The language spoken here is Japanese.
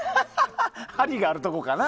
梁があるところかな。